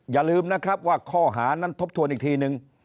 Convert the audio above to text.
อย่าลืมนะครับว่าข้อหานั้นทบทวนอีกทีนึง